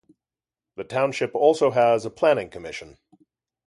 The Township also has a Planning Commission.